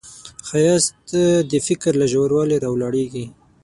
ښایست د فکر له ژوروالي راولاړیږي